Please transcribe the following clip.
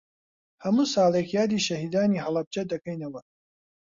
هەموو ساڵێک یادی شەهیدانی هەڵەبجە دەکەینەوە.